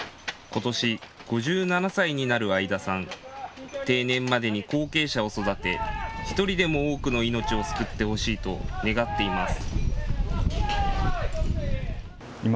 ことし５７歳になる相田さん、定年までに後継者を育て１人でも多くの命を救ってほしいと願っています。